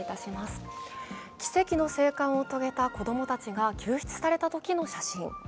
奇跡の生還を遂げた子供たちが救出されたときの写真。